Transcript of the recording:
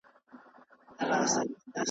او تر نني ورځي پوري .